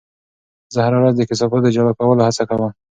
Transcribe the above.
زه هره ورځ د کثافاتو د جلا کولو هڅه کوم.